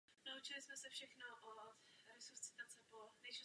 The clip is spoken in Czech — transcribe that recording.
Uvedené příklady jasně poukazují na cílenou strategii Rady.